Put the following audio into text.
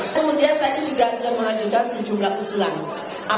kemudian tadi juga kita mengajukan sejumlah kesulangan